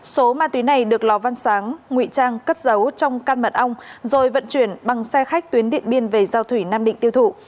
số ma túy này được lò văn sáng nguy trang cất giấu trong căn mật ong rồi vận chuyển bằng xe khách tuyến điện biên về giao thủy nam định tiêu thụ